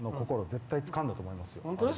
絶対、つかんだと思います。